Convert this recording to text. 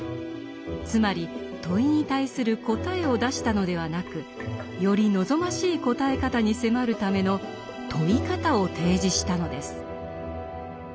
つまり問いに対する「答え」を出したのではなくより望ましい答え方に迫るための「問い方」を提示したのです。